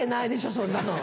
そんなの。